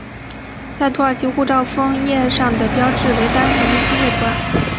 在土耳其护照封页上的标志为单纯的星月图案。